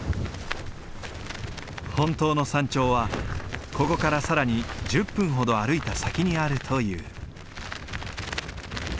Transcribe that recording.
本当の山頂はここから更に１０分ほど歩いた先にあるという。